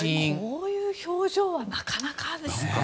こういう表情はなかなかね。